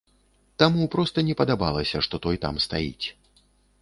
Таму проста не падабалася, што той там стаіць.